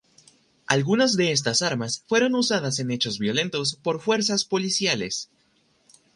Algunas de estas armas fueron usadas en hechos violentos por fuerzas policiales.